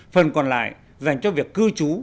phần còn lại dành cho việc cư trú